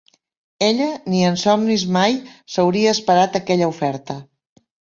Ella, ni en somnis mai s'hauria esperat aquella oferta.